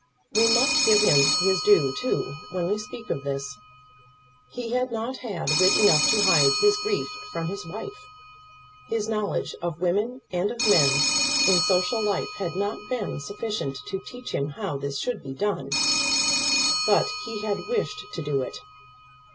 We must give him his due, too, when we speak of this. He had not had wit enough to hide his grief from his wife; his knowledge of women and of men in social life had not been sufficient to teach him how this should be done; but he had wished to do it.